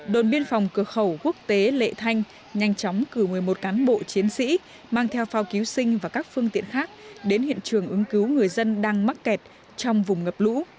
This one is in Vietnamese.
đồn biên phòng cửa khẩu quốc tế lệ thanh nhanh chóng cử một mươi một cán bộ chiến sĩ mang theo phao cứu sinh và các phương tiện khác đến hiện trường ứng cứu người dân đang mắc kẹt trong vùng ngập lũ